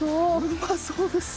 うまそうです！